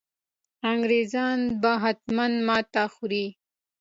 انګرېزان به حتمي ماته خوري.